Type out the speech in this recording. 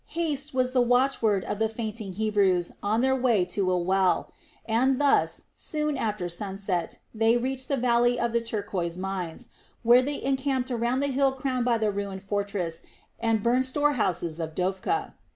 "Haste" was the watchword of the fainting Hebrews on their way to a well; and thus, soon after sunset, they reached the valley of the turquoise mines, where they encamped around the hill crowned by the ruined fortress and burned store houses of Dophkah.